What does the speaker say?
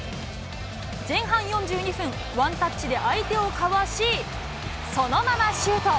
前半４２分、ワンタッチで相手をかわし、そのままシュート。